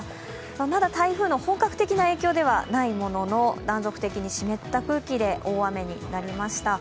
まだ台風の本格的な影響ではないものの断続的に湿った空気で大雨になりました。